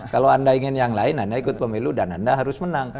kalau anda ingin yang lain anda ikut pemilu dan anda harus menang